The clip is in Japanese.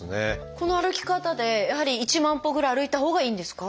この歩き方でやはり１万歩ぐらい歩いたほうがいいんですか？